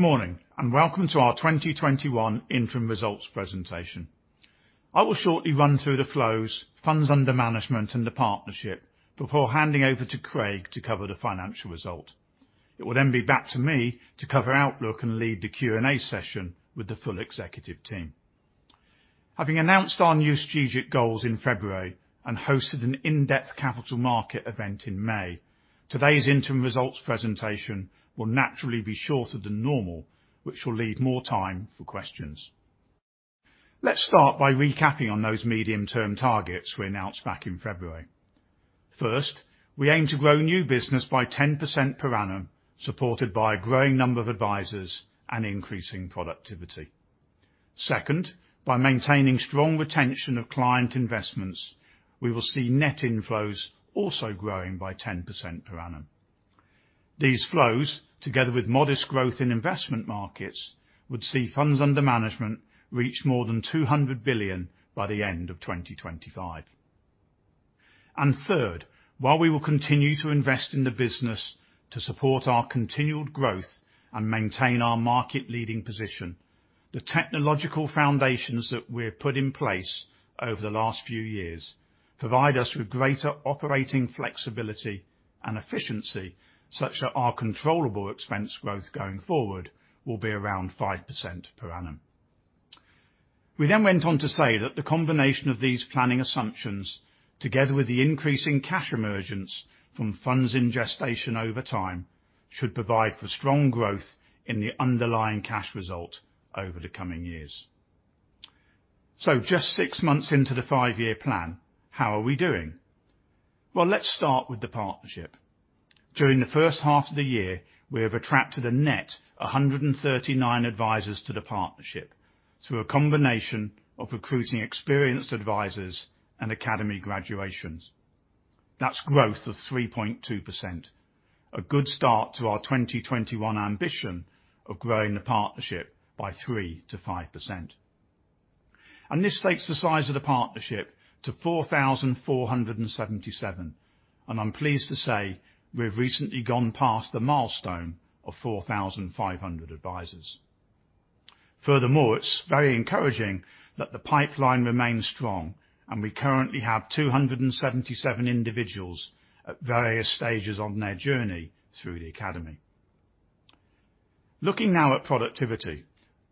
Good morning, welcome to our 2021 interim results presentation. I will shortly run through the flows, funds under management, and the partnership before handing over to Craig to cover the financial result. It will be back to me to cover outlook and lead the Q&A session with the full executive team. Having announced our new strategic goals in February and hosted an in-depth capital market event in May, today's interim results presentation will naturally be shorter than normal, which will leave more time for questions. Let's start by recapping on those medium-term targets we announced back in February. First, we aim to grow new business by 10% per annum, supported by a growing number of advisors and increasing productivity. Second, by maintaining strong retention of client investments, we will see net inflows also growing by 10% per annum. These flows, together with modest growth in investment markets, would see funds under management reach more than 200 billion by the end of 2025. Third, while we will continue to invest in the business to support our continual growth and maintain our market-leading position, the technological foundations that we have put in place over the last few years provide us with greater operating flexibility and efficiency such that our controllable expense growth going forward will be around 5% per annum. We went on to say that the combination of these planning assumptions, together with the increase in cash emergence from funds in gestation over time, should provide for strong growth in the underlying cash result over the coming years. Just six months into the five-year plan, how are we doing? Well, let's start with the partnership. During the first half of the year, we have attracted a net 139 advisors to the partnership through a combination of recruiting experienced advisors and academy graduations. That's growth of 3.2%, a good start to our 2021 ambition of growing the partnership by 3%-5%. This takes the size of the partnership to 4,477, and I'm pleased to say we've recently gone past the milestone of 4,500 advisors. Furthermore, it's very encouraging that the pipeline remains strong, and we currently have 277 individuals at various stages on their journey through the academy. Looking now at productivity.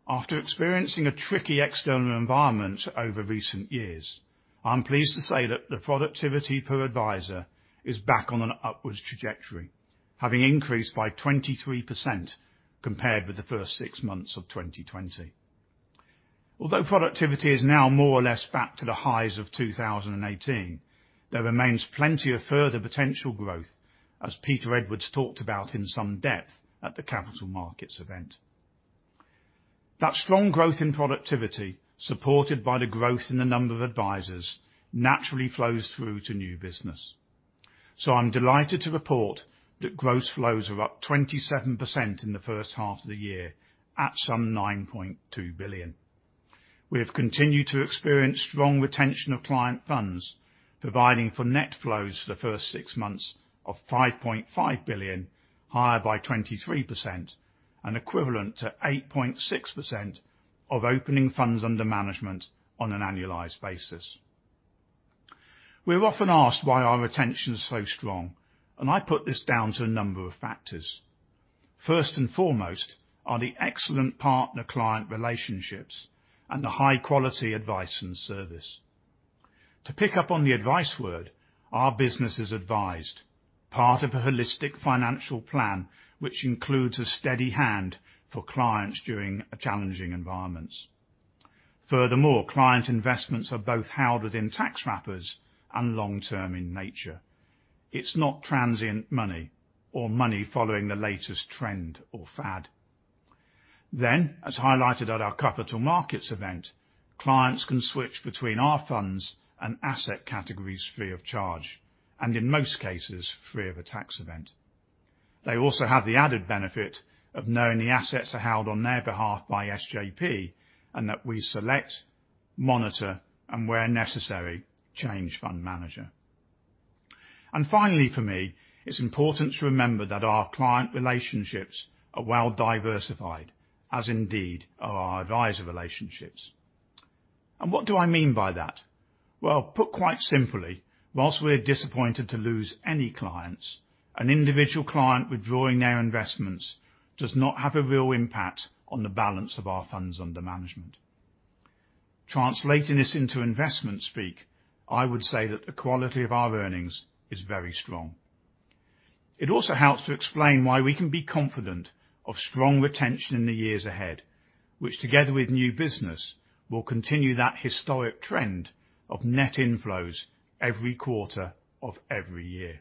After experiencing a tricky external environment over recent years, I'm pleased to say that the productivity per advisor is back on an upwards trajectory, having increased by 23% compared with the first 6 months of 2020. Although productivity is now more or less back to the highs of 2018, there remains plenty of further potential growth, as Peter Edwards talked about in some depth at the capital markets event. That strong growth in productivity, supported by the growth in the number of advisors, naturally flows through to new business. I'm delighted to report that gross flows are up 27% in the first half of the year at some 9.2 billion. We have continued to experience strong retention of client funds, providing for net flows for the first six months of 5.5 billion, higher by 23%, and equivalent to 8.6% of opening funds under management on an annualized basis. We're often asked why our retention is so strong. I put this down to a number of factors. First and foremost are the excellent partner-client relationships and the high-quality advice and service. To pick up on the advice word, our business is advised, part of a holistic financial plan, which includes a steady hand for clients during challenging environments. Furthermore, client investments are both held within tax wrappers and long-term in nature. It's not transient money or money following the latest trend or fad. As highlighted at our capital markets event, clients can switch between our funds and asset categories free of charge and, in most cases, free of a tax event. They also have the added benefit of knowing the assets are held on their behalf by SJP and that we select, monitor, and where necessary, change fund manager. Finally for me, it's important to remember that our client relationships are well diversified, as indeed are our advisor relationships. What do I mean by that? Well, put quite simply, whilst we're disappointed to lose any clients, an individual client withdrawing their investments does not have a real impact on the balance of our funds under management. Translating this into investment speak, I would say that the quality of our earnings is very strong. It also helps to explain why we can be confident of strong retention in the years ahead, which together with new business, will continue that historic trend of net inflows every quarter of every year.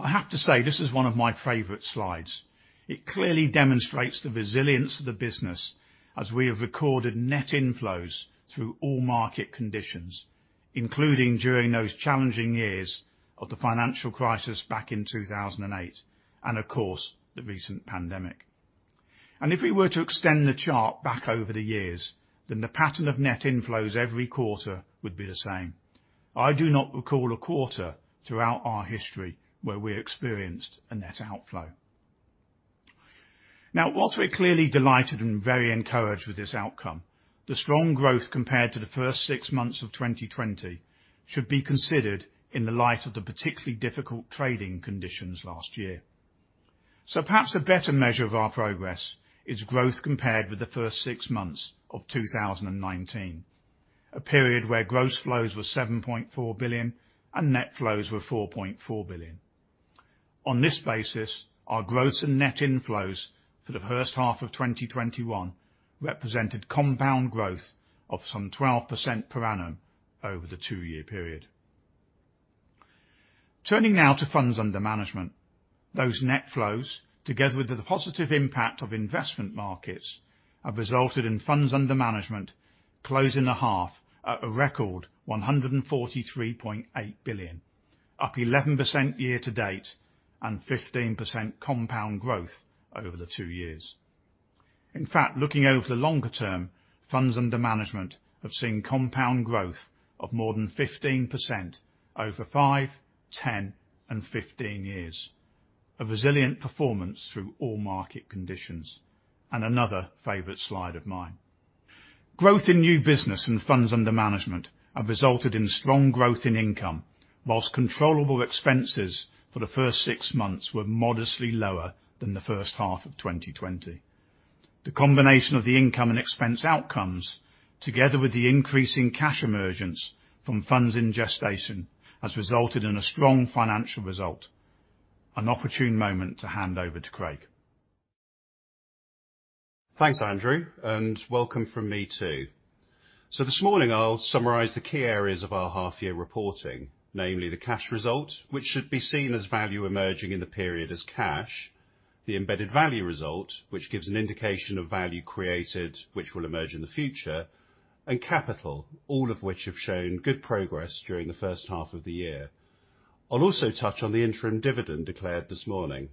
I have to say, this is one of my favorite slides. It clearly demonstrates the resilience of the business as we have recorded net inflows through all market conditions, including during those challenging years of the financial crisis back in 2008 and, of course, the recent pandemic. If we were to extend the chart back over the years, the pattern of net inflows every quarter would be the same. I do not recall a quarter throughout our history where we experienced a net outflow. Whilst we're clearly delighted and very encouraged with this outcome, the strong growth compared to the first six months of 2020 should be considered in the light of the particularly difficult trading conditions last year. Perhaps a better measure of our progress is growth compared with the first six months of 2019, a period where gross flows were 7.4 billion and net flows were 4.4 billion. On this basis, our gross and net inflows for the first half of 2021 represented compound growth of some 12% per annum over the two-year period. Turning now to funds under management, those net flows, together with the positive impact of investment markets, have resulted in funds under management closing the half at a record 143.8 billion, up 11% year-to-date and 15% compound growth over the two years. In fact, looking over the longer term, funds under management have seen compound growth of more than 15% over five, 10 and 15 years. A resilient performance through all market conditions, another favorite slide of mine. Growth in new business and funds under management have resulted in strong growth in income, whilst controllable expenses for the first six months were modestly lower than the first half of 2020. The combination of the income and expense outcomes, together with the increase in cash emergence from funds in gestation, has resulted in a strong financial result. An opportune moment to hand over to Craig. Thanks, Andrew, and welcome from me, too. This morning I'll summarize the key areas of our half-year reporting, namely the cash result, which should be seen as value emerging in the period as cash, the embedded value result, which gives an indication of value created which will emerge in the future, and capital, all of which have shown good progress during the first half of the year. I'll also touch on the interim dividend declared this morning.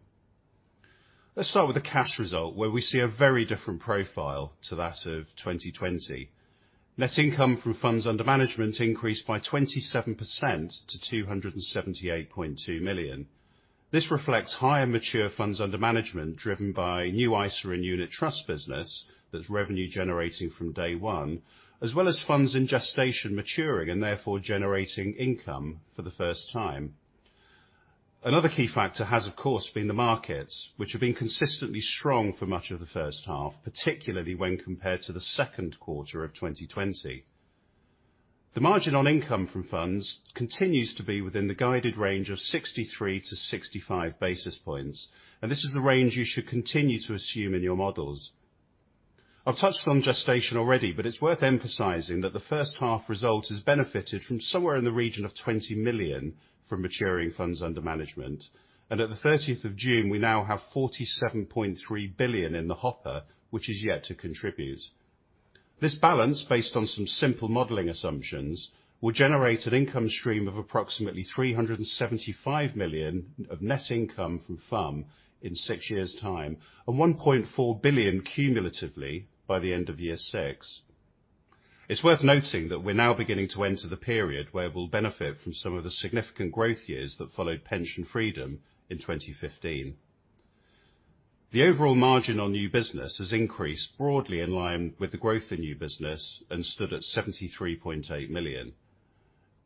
Let's start with the cash result, where we see a very different profile to that of 2020. Net income from funds under management increased by 27% to 278.2 million. This reflects higher mature funds under management, driven by new ISA and unit trust business that's revenue generating from day one, as well as funds in gestation maturing and therefore generating income for the first time. Another key factor has, of course, been the markets, which have been consistently strong for much of the first half, particularly when compared to the second quarter of 2020. The margin on income from funds continues to be within the guided range of 63 basis points-65 basis points. This is the range you should continue to assume in your models. I've touched on gestation already, but it's worth emphasizing that the first-half result has benefited from somewhere in the region of 20 million from maturing funds under management. At the 30th of June, we now have 47.3 billion in the hopper, which is yet to contribute. This balance, based on some simple modeling assumptions, will generate an income stream of approximately 375 million of net income from FUM in six years' time, and 1.4 billion cumulatively by the end of year six. It's worth noting that we're now beginning to enter the period where we'll benefit from some of the significant growth years that followed pension freedom in 2015. The overall margin on new business has increased broadly in line with the growth in new business and stood at 73.8 million.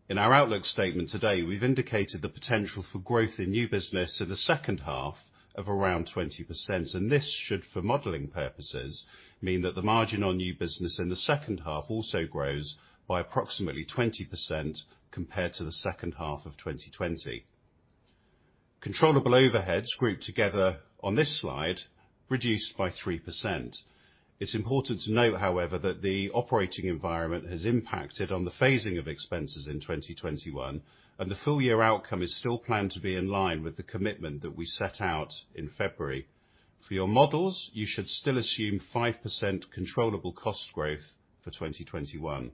In our outlook statement today, we've indicated the potential for growth in new business in the second half of around 20%. This should, for modeling purposes, mean that the margin on new business in the second half also grows by approximately 20% compared to the second half of 2020. Controllable overheads grouped together on this slide reduced by 3%. It's important to note, however, that the operating environment has impacted on the phasing of expenses in 2021, and the full-year outcome is still planned to be in line with the commitment that we set out in February. For your models, you should still assume 5% controllable cost growth for 2021.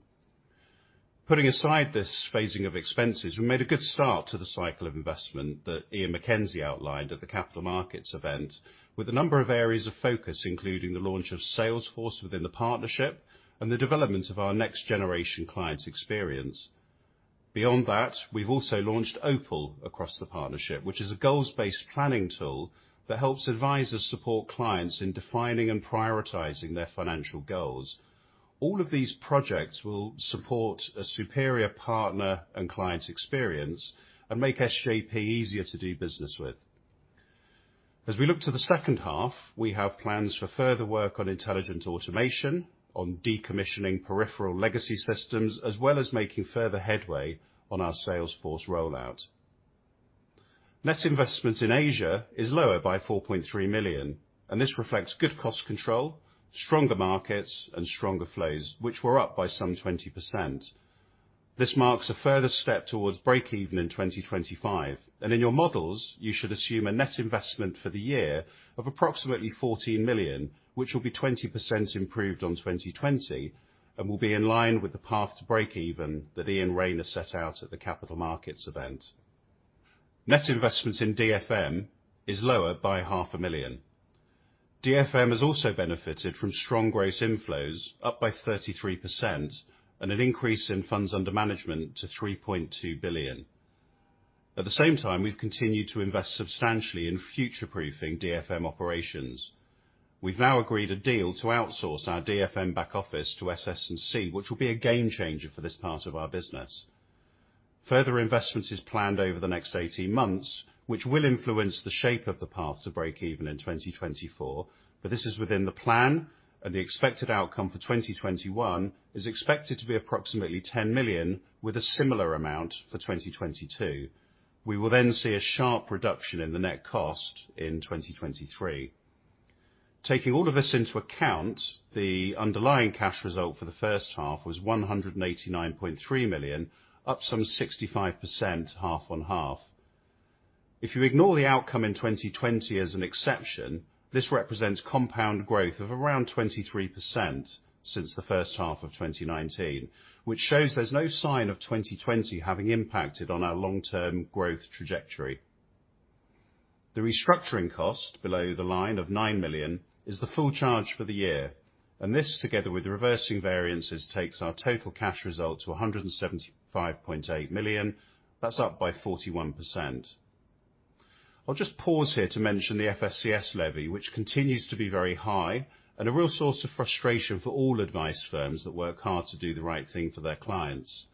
Putting aside this phasing of expenses, we made a good start to the cycle of investment that Ian MacKenzie outlined at the capital markets event with a number of areas of focus, including the launch of Salesforce within the partnership and the development of our next-generation client experience. Beyond that, we've also launched OPAL across the partnership, which is a goals-based planning tool that helps advisors support clients in defining and prioritizing their financial goals. All of these projects will support a superior partner and client experience and make SJP easier to do business with. As we look to the second half, we have plans for further work on intelligent automation, on decommissioning peripheral legacy systems, as well as making further headway on our Salesforce rollout. Net investment in Asia is lower by 4.3 million, and this reflects good cost control, stronger markets, and stronger flows, which were up by some 20%. This marks a further step towards break-even in 2025. In your models, you should assume a net investment for the year of approximately 14 million, which will be 20% improved on 2020 and will be in line with the path to break-even that Iain Rayner set out at the capital markets event. Net investment in DFM is lower by half a million. DFM has also benefited from strong gross inflows up by 33%, and an increase in funds under management to 3.2 billion. At the same time, we've continued to invest substantially in future-proofing DFM operations. We've now agreed a deal to outsource our DFM back office to SS&C, which will be a game-changer for this part of our business. Further investments is planned over the next 18 months, which will influence the shape of the path to break even in 2024. This is within the plan, and the expected outcome for 2021 is expected to be approximately 10 million, with a similar amount for 2022. We will then see a sharp reduction in the net cost in 2023. Taking all of this into account, the Underlying cash result for the first half was 189.3 million, up some 65% half-on-half. If you ignore the outcome in 2020 as an exception, this represents compound growth of around 23% since the first half of 2019. Which shows there's no sign of 2020 having impacted on our long-term growth trajectory. The restructuring cost below the line of 9 million is the full charge for the year, and this, together with reversing variances, takes our total cash result to 175.8 million. That's up by 41%. I'll just pause here to mention the FSCS levy, which continues to be very high and a real source of frustration for all advice firms that work hard to do the right thing for their clients.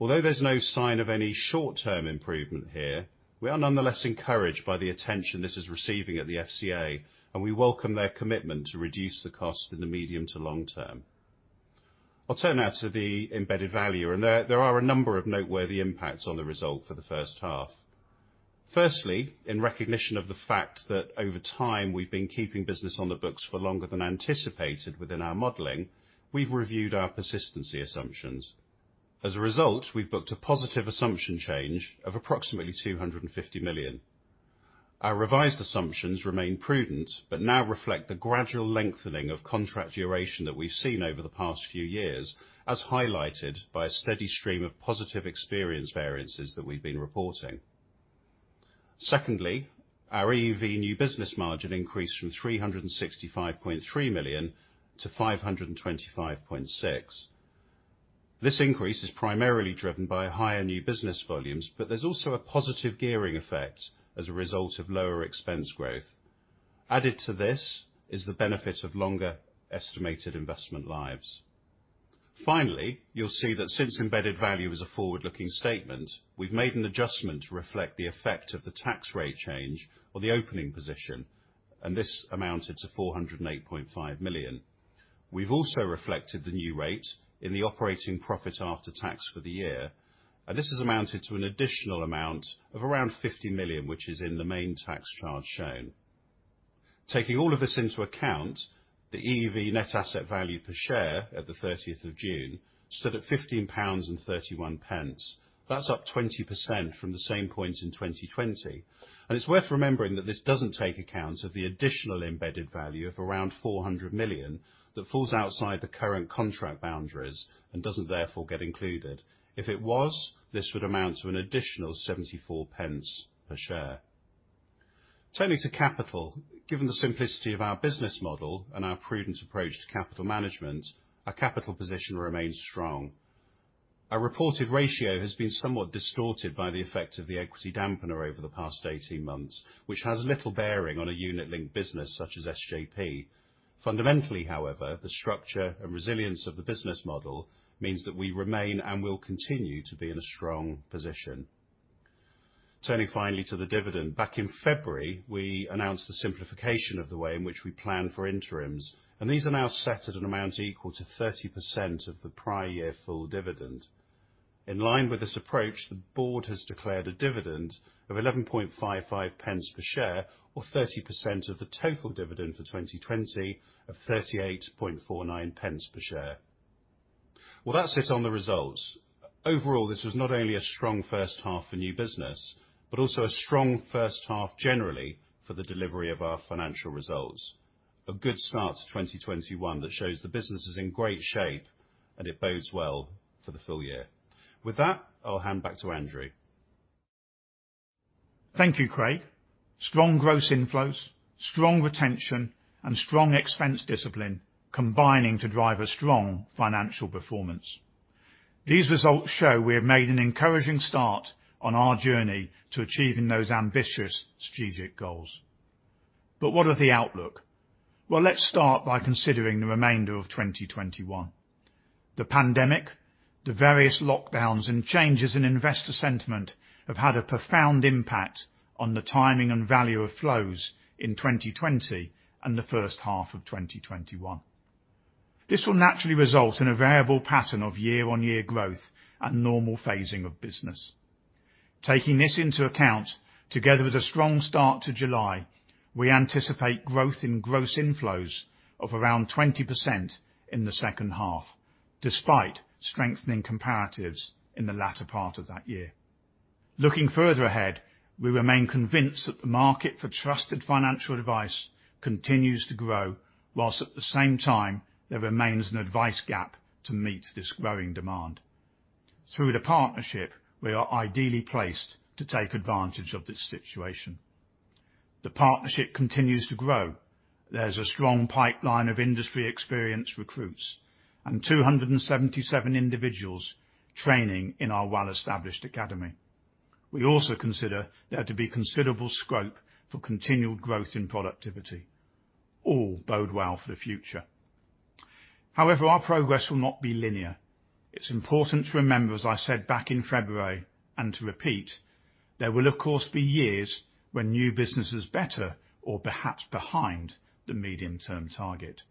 Although there's no sign of any short-term improvement here, we are nonetheless encouraged by the attention this is receiving at the FCA, and we welcome their commitment to reduce the cost in the medium to long term. I'll turn now to the embedded value, and there are a number of noteworthy impacts on the result for the first half. Firstly, in recognition of the fact that over time we've been keeping business on the books for longer than anticipated within our modeling, we've reviewed our persistency assumptions. As a result, we've booked a positive assumption change of approximately 250 million. Our revised assumptions remain prudent, but now reflect the gradual lengthening of contract duration that we've seen over the past few years, as highlighted by a steady stream of positive experience variances that we've been reporting. Secondly, our EUV new business margin increased from 365.3 million-525.6 million. This increase is primarily driven by higher new business volumes, but there's also a positive gearing effect as a result of lower expense growth. Added to this is the benefit of longer estimated investment lives. Finally, you'll see that since embedded value is a forward-looking statement, we've made an adjustment to reflect the effect of the tax rate change or the opening position, and this amounted to 408.5 million. We've also reflected the new rate in the operating profit after tax for the year, this has amounted to an additional amount of around 50 million, which is in the main tax charge shown. Taking all of this into account, the EUV net asset value per share at the 30th of June stood at 15.31 pounds. That's up 20% from the same point in 2020. It's worth remembering that this doesn't take account of the additional embedded value of around 400 million that falls outside the current contract boundaries and doesn't therefore get included. If it was, this would amount to an additional 0.74 per share. Turning to capital. Given the simplicity of our business model and our prudence approach to capital management, our capital position remains strong. Our reported ratio has been somewhat distorted by the effect of the equity dampener over the past 18 months, which has little bearing on a unit-linked business such as SJP. Fundamentally, however, the structure and resilience of the business model means that we remain and will continue to be in a strong position. Turning finally to the dividend. Back in February, we announced the simplification of the way in which we plan for interims, and these are now set at an amount equal to 30% of the prior year full dividend. In line with this approach, the board has declared a dividend of 0.1155 per share or 30% of the total dividend for 2020 of 0.3849 per share. Well, that's it on the results. Overall, this was not only a strong first half for new business, but also a strong first half generally for the delivery of our financial results. A good start to 2021 that shows the business is in great shape, and it bodes well for the full-year. With that, I'll hand back to Andrew. Thank you, Craig. Strong gross inflows, strong retention, and strong expense discipline combining to drive a strong financial performance. These results show we have made an encouraging start on our journey to achieving those ambitious strategic goals. What of the outlook? Let's start by considering the remainder of 2021. The pandemic, the various lockdowns, and changes in investor sentiment have had a profound impact on the timing and value of flows in 2020 and the first half of 2021. This will naturally result in a variable pattern of year-on-year growth and normal phasing of business. Taking this into account, together with a strong start to July, we anticipate growth in gross inflows of around 20% in the second half, despite strengthening comparatives in the latter part of that year. Looking further ahead, we remain convinced that the market for trusted financial advice continues to grow. Whilst at the same time, there remains an advice gap to meet this growing demand. Through the partnership, we are ideally placed to take advantage of this situation. The partnership continues to grow. There's a strong pipeline of industry-experienced recruits and 277 individuals training in our well-established academy. We also consider there to be considerable scope for continued growth in productivity. All bode well for the future. However, our progress will not be linear. It's important to remember, as I said back in February, and to repeat, there will of course be years when new business is better or perhaps behind the medium-term target.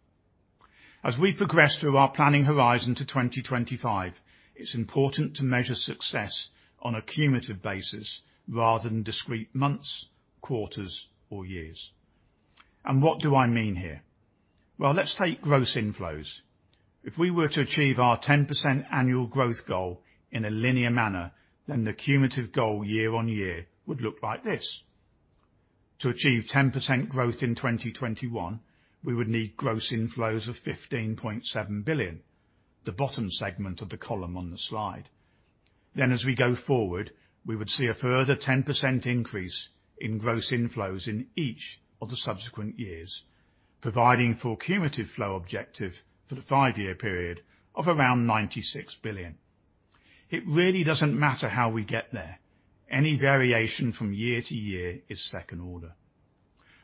As we progress through our planning horizon to 2025, it's important to measure success on a cumulative basis rather than discrete months, quarters, or years. What do I mean here? Well, let's take gross inflows. If we were to achieve our 10% annual growth goal in a linear manner, the cumulative goal year on year would look like this. To achieve 10% growth in 2021, we would need gross inflows of 15.7 billion, the bottom segment of the column on the slide. As we go forward, we would see a further 10% increase in gross inflows in each of the subsequent years, providing for a cumulative flow objective for the five-year period of around 96 billion. It really doesn't matter how we get there. Any variation from year to year is second order.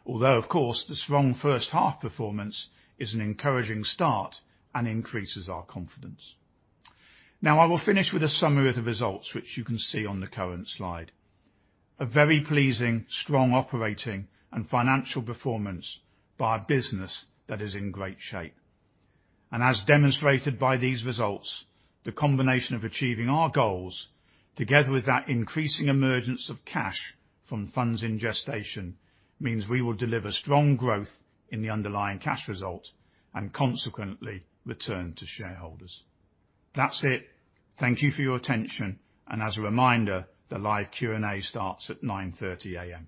Of course, the strong first half performance is an encouraging start and increases our confidence. I will finish with a summary of the results, which you can see on the current slide. A very pleasing, strong operating and financial performance by a business that is in great shape. As demonstrated by these results, the combination of achieving our goals, together with that increasing emergence of cash from funds in gestation, means we will deliver strong growth in the underlying cash result and consequently return to shareholders. That's it. Thank you for your attention, and as a reminder, the live Q&A starts at 9:30 A.M.